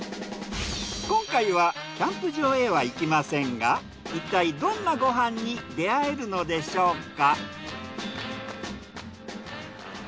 今回はキャンプ場へは行きませんがいったいどんなご飯に出会えるのでしょうか。